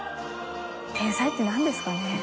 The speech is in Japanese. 天才ってなんですかね？